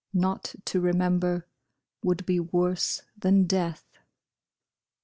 Not to remember would be worse than death !